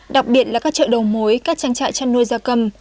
đặc biệt là các chợ đầu mối các trang trại chăn nuôi gia cầm